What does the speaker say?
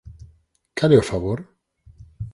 Cal é o favor?